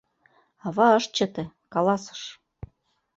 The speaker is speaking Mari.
Ава ыш чыте, каласыш: